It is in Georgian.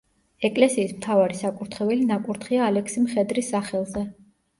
ეკლესიის მთავარი საკურთხეველი ნაკურთხია ალექსი მხედრის სახელზე.